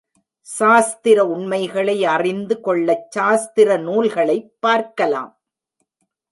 சாஸ்திர உண்மைகளை அறிந்து கொள்ளச் சாஸ்திர நூல்களைப் பார்க்கலாம்.